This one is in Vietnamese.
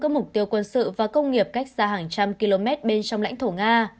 các mục tiêu quân sự và công nghiệp cách xa hàng trăm km bên trong lãnh thổ nga